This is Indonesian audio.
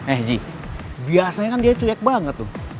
eh ji biasanya kan dia cuyek banget tuh